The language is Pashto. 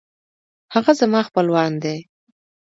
هغه زما خپلوان دی